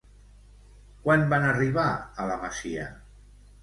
Quan van arribar a la masia?